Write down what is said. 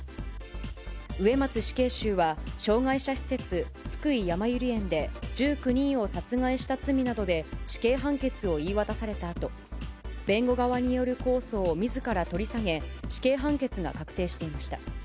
植松死刑囚は障がい者施設、津久井やまゆり園で、１９人を殺害した罪などで死刑判決を言い渡されたあと、弁護側による控訴をみずから取り下げ、死刑判決が確定していました。